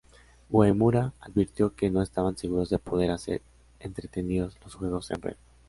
Uemura advirtió que "no estaban seguros de poder hacer entretenidos los juegos en red".